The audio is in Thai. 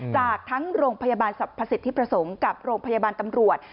จากทั้งโรงพยาบาลสรรพสิทธิประสงค์กับโรงพยาบาลตำรวจ